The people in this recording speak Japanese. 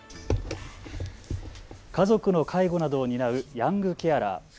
家族の介護などを担うヤングケアラー。